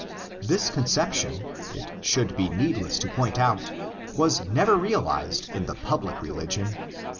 This concep tion, it should be needless to point out, was never realised in the public religion.